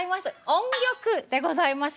音曲でございます。